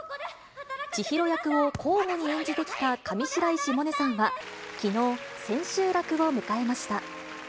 千尋役を交互に演じてきた上白石萌音さんは、きのう、千秋楽を迎えました。